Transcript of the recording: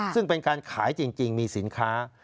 ซึ่งเป็นการขายจริงมีสินค้า